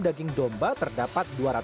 daging domba terdapat dua ratus